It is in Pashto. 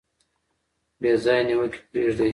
بې ځایه نیوکې پریږدئ.